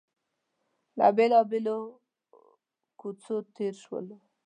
له بېلابېلو کوڅو تېر شولو.